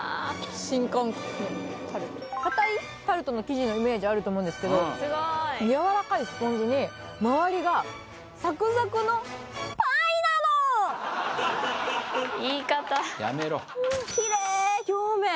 新感覚タルト硬いタルトの生地のイメージあると思うんですけどやわらかいスポンジにまわりがサクサクのパイなのやめろキレイ表面